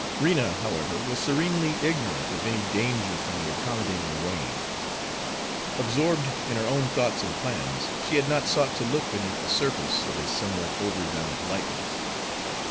Rena, however, was serenely ignorant of any danger from the accommodating Wain. Absorbed in her own thoughts and plans, she had not sought to look beneath the surface of his somewhat overdone politeness.